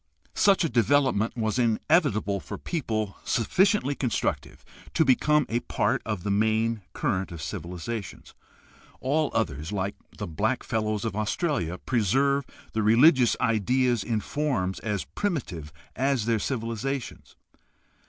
Such a development was inevitable for people sufficiently constructive to become a part of the main current of civilization. All others, like the Black Fellows of Australia, preserve the religious ideas in forms as primitive as their civilizations.